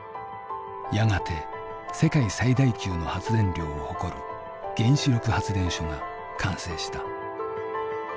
やがて世界最大級の発電量を誇る原子力発電所が完成した。